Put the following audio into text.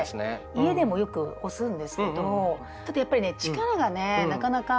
家でもよく押すんですけどちょっとやっぱりね力がねなかなか。